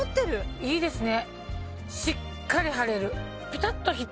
いいですね。